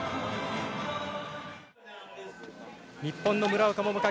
日本の村岡桃佳。